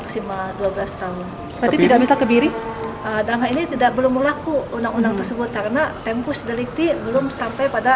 kisah kisah yang terjadi di indonesia